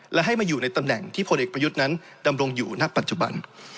และให้มาอยู่ในตำแหน่งที่พลเอกประยุทธ์นั้นดำรงอยู่ณปัจจุบัน